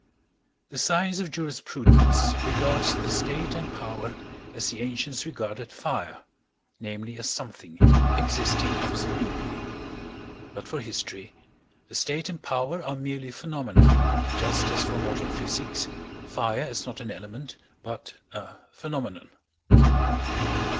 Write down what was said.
The science of jurisprudence regards the state and power as the ancients regarded fire—namely, as something existing absolutely. But for history, the state and power are merely phenomena, just as for modern physics fire is not an element but a phenomenon.